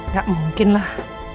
gak mungkin lah